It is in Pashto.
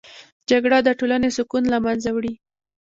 جګړه د ټولنې سکون له منځه وړي